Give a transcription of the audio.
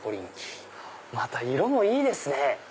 また色もいいですね。